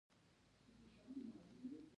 طاهاسپ صفوي د پوځ مشرتوب ورکړ.